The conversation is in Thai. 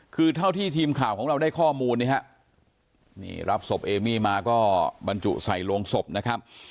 คือเท่าที่ทีมข่าวของเราได้ข้อมูลนี่ฮะนี่รับศพเอมี่มาก็บรรจุใส่โรงศพนะครับ